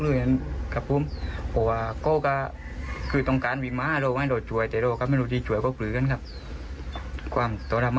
แล้วเขาอยู่ไม่รู้กันผู้ม